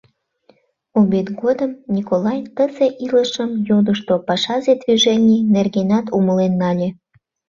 Обед годым Николай тысе илышым йодышто, пашазе движений нергенат умылен нале.